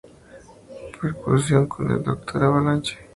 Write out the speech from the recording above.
Percusión con el Doktor Avalanche.